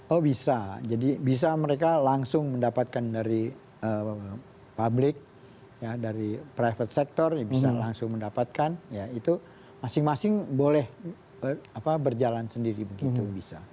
oh bisa jadi bisa mereka langsung mendapatkan dari publik dari private sector bisa langsung mendapatkan ya itu masing masing boleh berjalan sendiri begitu bisa